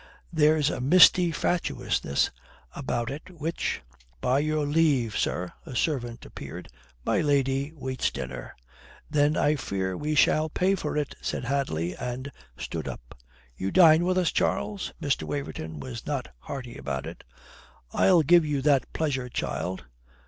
There's a misty fatuousness about it which " "By your leave, sir," a servant appeared, "my lady waits dinner." "Then I fear we shall pay for it," said Hadley, and stood up. "You dine with us, Charles?" Mr. Waverton was not hearty about it. "I'll give you that pleasure, child.